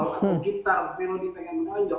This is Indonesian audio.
atau gitar melodi pengen menonjol